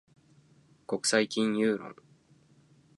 国際金融論